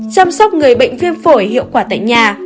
chăm sóc người bệnh viêm phổi hiệu quả tại nhà